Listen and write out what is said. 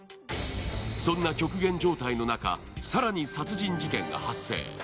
そんな極限状態の中更に殺人事件が発生。